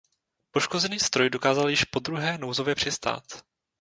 Poškozený stroj dokázal již podruhé nouzově přistát.